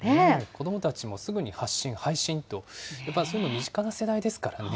子どもたちもすぐに発信、配信と、やっぱりそういうのが身近な世代ですからね。